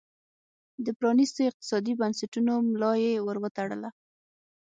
د پرانیستو اقتصادي بنسټونو ملا یې ور وتړله.